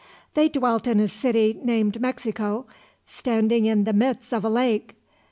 They dwelt in a city named Mexico, standing in the midst of a lake.